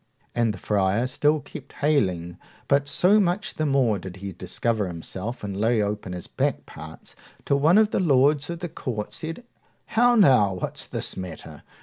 And the friar still kept haling, but so much the more did he discover himself and lay open his back parts, till one of the lords of the court said, How now! what's the matter?